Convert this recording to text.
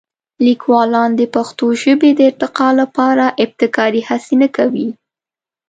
لیکوالان د پښتو ژبې د ارتقا لپاره ابتکاري هڅې نه کوي.